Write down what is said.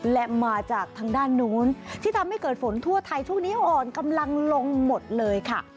และมาจากทางด้านนู้นที่ทำให้เกิดฝนทั่วไทยช่วงนี้อ่อนกำลังลงหมดเลยค่ะ